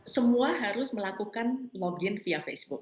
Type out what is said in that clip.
semua harus melakukan login via facebook